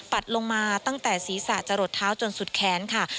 ลงมาตั้งแต่ศีรษะจะหลดเท้าจนสุดแขนค่ะ